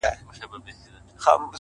د عمل نشتون فرصتونه له منځه وړي,